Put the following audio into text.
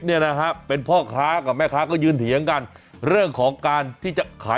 นะครับเป็นพ่อค้ากับแม่ค้าก็ยืนเหถียงกันเรื่องของการที่จะ